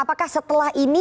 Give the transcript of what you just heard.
apakah setelah ini